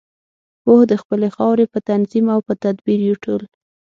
پوه د خپلې خاورې په تنظیم او په تدبیر یو ټول.